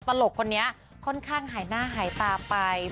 ตลกคนนี้ค่อนข้างหายหน้าหายตาไป